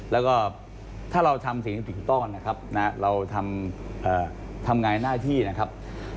แล้วก็ถ้าเราทำสิ่งต้อนนะครับเราทำงานหน้าที่นะครับ